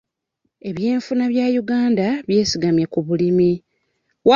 Ebyenfuna bya Uganda byesigamye ku bulimi.